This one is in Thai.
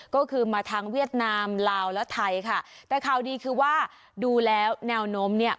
ก็คือมาทางเวียดนามลาวและไทยค่ะแต่ข่าวดีคือว่าดูแล้วแนวโน้มเนี่ย